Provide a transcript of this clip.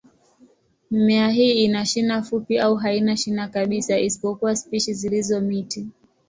Mimea hii ina shina fupi au haina shina kabisa, isipokuwa spishi zilizo miti.